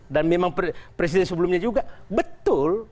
dan memang presiden sebelumnya juga betul